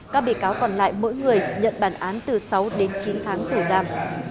các bị cáo còn lại mỗi người nhận bản án từ sáu đến chín tháng tù giam